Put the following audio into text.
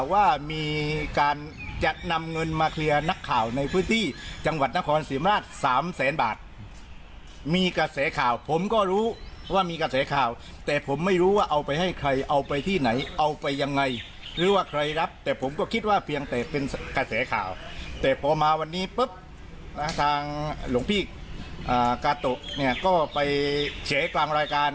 วันนี้ปุ๊บอ่าทางหลวงพี่อ่ากาโตะเนี่ยก็ไปเฉยกลางรายการ